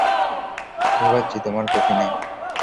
ঢোকাচ্ছি তোমার কফিনে।